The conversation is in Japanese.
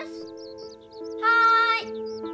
はい。